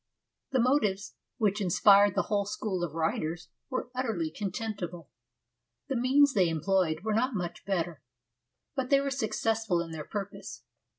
The motives which inspired the whole school of writers were utterly contemptible, the means they employed were not much better ; but they were successful in their purpose.